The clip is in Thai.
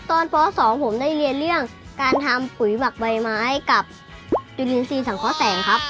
ป๒ผมได้เรียนเรื่องการทำปุ๋ยหมักใบไม้กับจุลินทรีย์สังเคราะห์แสงครับ